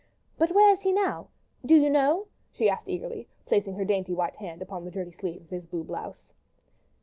"But where is he now?—Do you know?" she asked eagerly, placing her dainty white hand upon the dirty sleeve of his blue blouse.